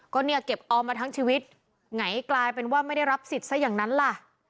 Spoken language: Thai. ก็เนี่ยเก็บออมมาทั้งชีวิตไหนกลายเป็นว่าไม่ได้รับสิทธิ์ซะอย่างนั้นล่ะ